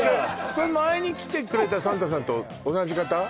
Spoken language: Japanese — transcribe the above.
これ前に来てくれたサンタさんと同じ方？